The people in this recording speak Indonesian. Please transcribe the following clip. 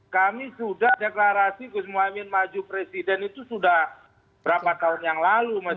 kami sudah deklarasi gus muhaymin maju presiden itu sudah berapa tahun yang lalu mas